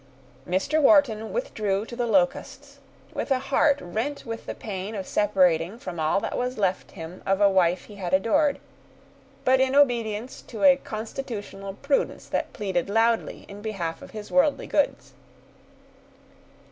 Mr. Wharton withdrew to the Locusts, with a heart rent with the pain of separating from all that was left him of a wife he had adored, but in obedience to a constitutional prudence that pleaded loudly in behalf of his worldly goods.